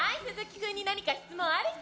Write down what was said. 君に何か質問ある人？